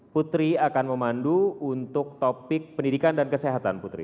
putri akan memandu untuk topik pendidikan dan kesehatan putri